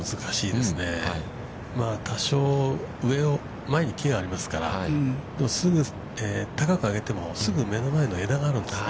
まあ多少、上を、前に木がありますから、高く上げても、すぐ目の前の枝があるんですよね。